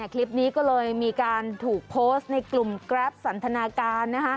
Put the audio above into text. คลิปนี้ก็เลยมีการถูกโพสต์ในกลุ่มแกรปสันทนาการ